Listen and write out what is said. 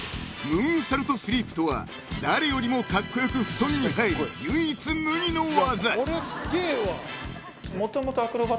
ムーンサルトスリープとは誰よりもカッコ良く布団に入る唯一無二の技］